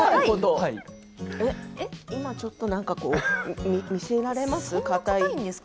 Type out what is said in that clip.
今ちょっと何か見せられますか？